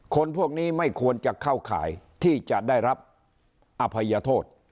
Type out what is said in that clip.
คนพวกนี้ไม่ควรจะเข้าข่ายที่จะได้รับอภัยโทษ